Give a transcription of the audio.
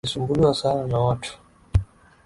Walisumbuliwa sana na watu.